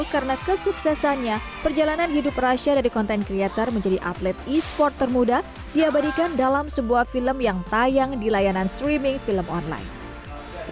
karena kesuksesannya perjalanan hidup rasyah dari content creator menjadi atlet esports termuda diabadikan dalam sebuah film yang tayang di layanan streaming film online